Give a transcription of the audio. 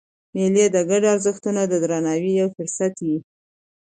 مېلې د ګډو ارزښتونو د درناوي یو فرصت يي.